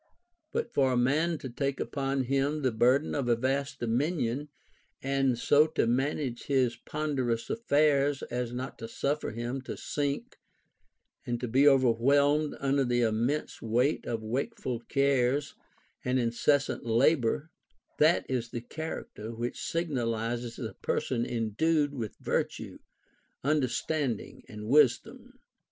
But for a man to take upon him the burden of a vast dominion, and so to manage his ponderous affairs as not to suffer himself to sink and be overwhelmed under the immense weight of wakeful cares and incessant labor, that is the character which signalizes a person endued with virtue, understanding, and wisdom.